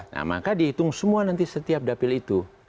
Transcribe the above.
nah maka dihitung semua nanti setiap dapil itu